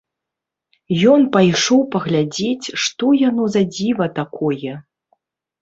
Ён пайшоў паглядзець, што яно за дзіва такое.